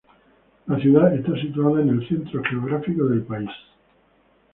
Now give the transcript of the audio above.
La ciudad está situada en el centro geográfico del país.